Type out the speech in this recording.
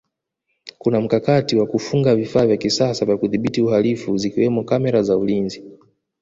kuna mkakati wa kufunga vifaa vya kisasa vya kudhibiti uhalifu zikiwamo kamera za ulinzi